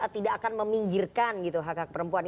tidak akan meminggirkan gitu hak hak perempuan